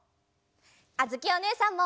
あづきおねえさんも！